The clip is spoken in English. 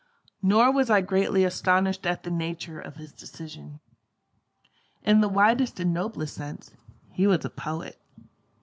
Nor was I greatly astonished at the nature of his decision. In the widest and noblest sense, he was a poet.